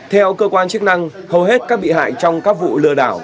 theo cơ quan chức năng hầu hết các bị hại trong các vụ lừa đảo